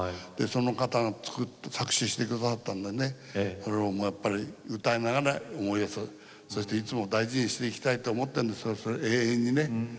その方が作詞してくださったのでやっぱり歌いながら思い出していつも大事にしていきたいと思ってるんです、永遠にね。